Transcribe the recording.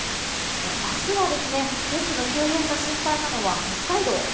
明日は天気の急変が心配なのは北海道。